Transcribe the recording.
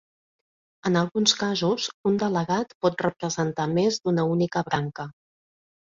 En alguns casos, un delegat pot representar més d'una única branca.